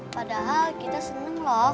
padahal kita seneng loh